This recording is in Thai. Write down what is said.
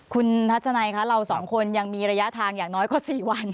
คุณทัศนัยคะเราสองคนยังมีระยะทางอย่างน้อยกว่า๔วัน